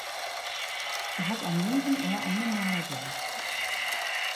Er hat am linken Ohr eine Narbe.